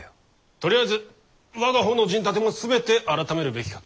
とりあえず我が方の陣立ても全て改めるべきかと。